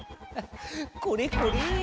これこれ！